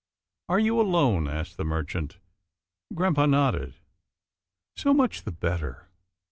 "Are you alone?" asked the merchant. Grampa nodded. " So much the better.